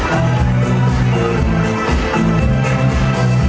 ไม่ต้องถามไม่ต้องถาม